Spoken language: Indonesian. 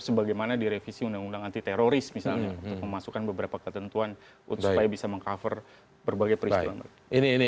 sebagaimana direvisi undang undang anti teroris misalnya untuk memasukkan beberapa ketentuan supaya bisa meng cover berbagai peristiwa